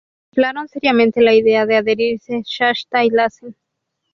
Contemplaron seriamente la idea de adherirse Shasta y Lassen.